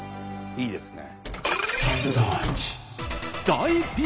いいですね。